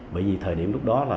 bởi vì thời điểm lúc đó là